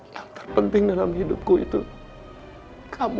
yang terpenting dalam hidupku itu kamu